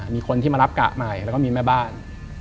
มีคนที่มารับกะใหม่แล้วก็มีแม่บ้าน